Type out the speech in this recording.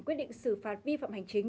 quyết định xử phạt vi phạm hành chính